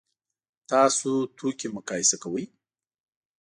تاسو توکي مقایسه کوئ؟